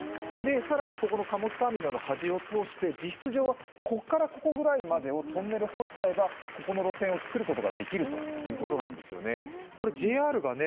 更にここの貨物ターミナルの端を通して実質上はここからここくらいまでトンネル掘っちゃえば、ここの路線を作ることができるんです。